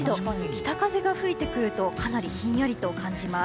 北風が吹いてくるとかなりひんやりと感じます。